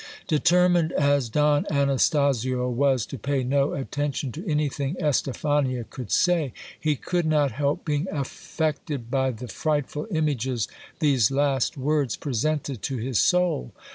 Determined as Don Anastasio was to pay no attention to anything Estephania could say, he could not help being affected by the frightful images these last words presented to his soul.